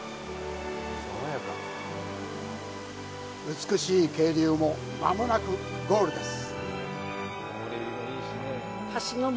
美しい渓流もまもなくゴールです。